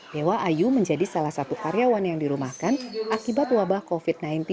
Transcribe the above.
dewa ayu menjadi salah satu karyawan yang dirumahkan akibat wabah covid sembilan belas